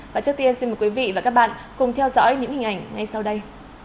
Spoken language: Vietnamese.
và trước tiên xin mời quý vị và các bạn cùng theo dõi những hình ảnh ngay sau đây